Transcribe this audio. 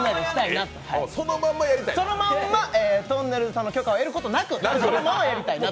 そのまま、とんねるずさんの許可を得ることなく、やりたいなと。